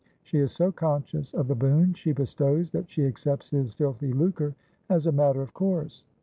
She is so conscious of the boon she bestows that she accepts his filthy lucre as a matter of course.'